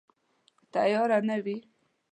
که تیاره نه وي